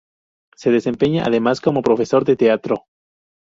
Se desempeña además, como profesor de teatro.